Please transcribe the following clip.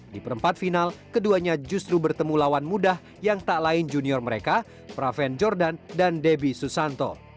di perempat final keduanya justru bertemu lawan mudah yang tak lain junior mereka praven jordan dan debbie susanto